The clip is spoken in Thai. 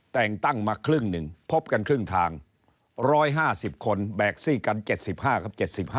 แต่งตั้งมาครึ่งหนึ่งพบกันครึ่งทาง๑๕๐คนแบกซี่กัน๗๕ครับ๗๕